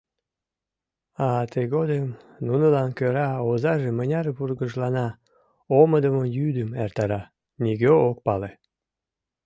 А тыгодым нунылан кӧра озаже мыняр вургыжлана, омыдымо йӱдым эртара, нигӧ ок пале.